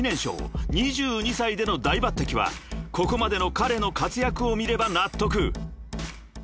［２２歳での大抜てきはここまでの彼の活躍を見れば納得］